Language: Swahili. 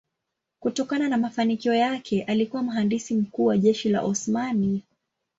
Kutokana na mafanikio yake alikuwa mhandisi mkuu wa jeshi la Osmani.